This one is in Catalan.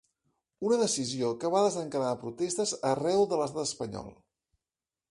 Una decisió que va desencadenar protestes arreu de l’estat espanyol.